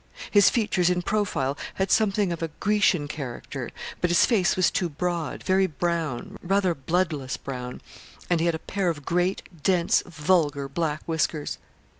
His features in profile had something of a Grecian character, but his face was too broad very brown, rather a bloodless brown and he had a pair of great, dense, vulgar, black whiskers.